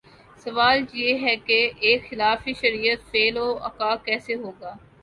سوال یہ ہے کہ ایک خلاف شریعت فعل واقع کیسے ہوگا؟